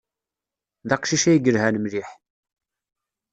D aqcic ay yelhan mliḥ.